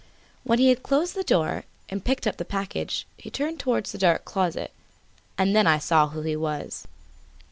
When he had closed the door and picked up the package, he turned towards the dark closet, and then I saw who he was.